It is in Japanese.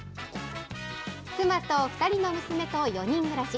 妻と２人の娘と４人暮らし。